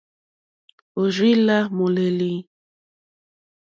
Òrzì lá môlélí.